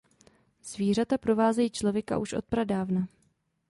Zvířata provázejí člověka už od pradávna.